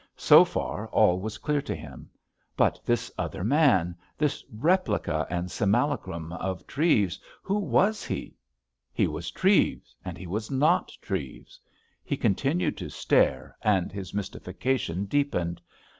So far all was clear to him. But this other man, this replica and simulacrum of Treves, who was he? He was Treves, and he was not Treves. He continued to stare and his mystification deepened.